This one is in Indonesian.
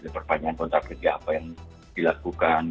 perpanjangan kontrak kerja apa yang dilakukan